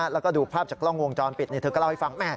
แล้วก็ดูภาพจากกล้องวงจรปิดเธอก็เล่าให้ฟัง